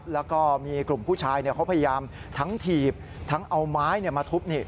แล้วก็มีกลุ่มผู้ชายเขาพยายามทั้งถีบทั้งเอาไม้มาทุบ